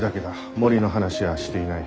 森の話はしていない。